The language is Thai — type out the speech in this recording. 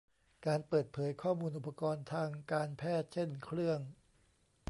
การเปิดเผยข้อมูลอุปกรณ์ทางการแพทย์เช่นเครื่อง